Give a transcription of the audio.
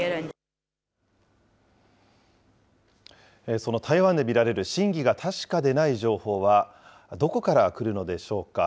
その台湾で見られる真偽が確かでない情報は、どこから来るのでしょうか。